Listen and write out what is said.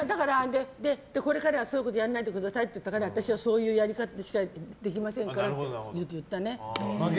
これからは、そういうことやらないでくださいって言われたから私はそういうやり方しかできませんって言ったね。